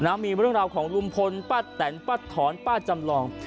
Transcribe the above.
มีเรื่องราวของลุงพลป้าแตนป้าถอนป้าจำลอง